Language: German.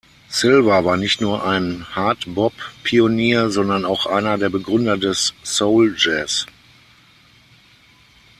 Silver war nicht nur ein Hard-Bop-Pionier, sondern auch einer der Begründer des Soul-Jazz.